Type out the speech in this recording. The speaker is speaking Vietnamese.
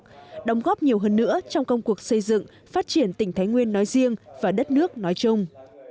cộng đồng đồng góp nhiều hơn nữa trong công cuộc xây dựng phát triển tỉnh thái nguyên nói riêng và đất nước nói chung